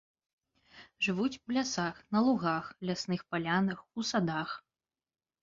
Жывуць у лясах, на лугах, лясных палянах, у садах.